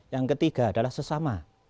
yang ketiga adalah sesama